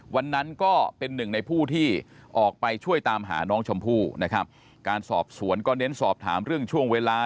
วันนั้นก็เป็นหนึ่งในผู้ที่ออกไปช่วยตามหาน้องชมพู่นะครับการสอบสวนก็เน้นสอบถามเรื่องช่วงเวลา